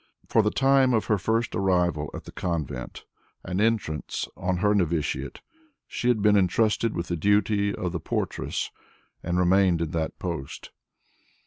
From the time of her first arrival at the convent and entrance on her novitiate, she had been entrusted with the duty of the portress and remained in that post.